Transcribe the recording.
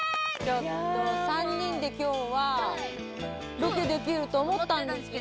３人で今日はロケできると思ったんですよ。